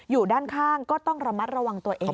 อยู่ด้านข้างก็ต้องระมัดระวังตัวเอง